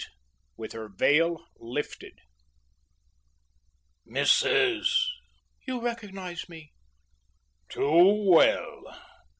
VIII WITH HER VEIL LIFTED "MRS. " "You recognise me?" "Too well."